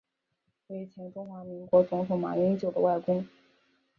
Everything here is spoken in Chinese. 为前中华民国总统马英九的外公。